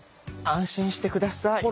安心して下さい。